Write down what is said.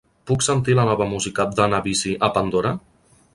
Puc sentir la nova música d'Anna Vissi a Pandora?